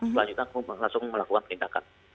selanjutnya langsung melakukan perlindakan